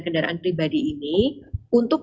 kendaraan pribadi ini untuk